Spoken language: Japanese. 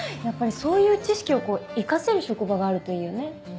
やっぱりそういう知識を生かせる職場があるといいよね。